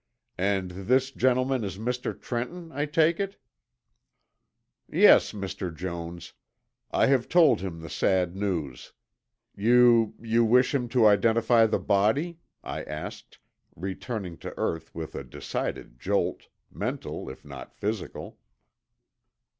"And this gentleman is Mr. Trenton, I take it?" "Yes, Mr. Jones. I have told him the sad news. You you wish him to identify the body?" I asked, returning to earth with a decided jolt, mental if not physical.